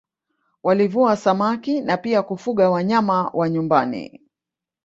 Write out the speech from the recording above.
Walivua samaki na pia kufuga wanyama wa nyumbani